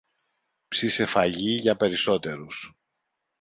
Ψήσε φαγί για περισσότερους